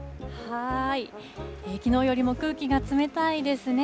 きのうよりも空気が冷たいですね。